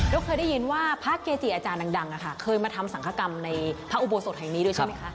เราเคยได้ยินว่าพระเกจิอาจารย์ดังเคยมาทำสังคกรรมในพระอุโบสถแห่งนี้ด้วยใช่ไหมคะ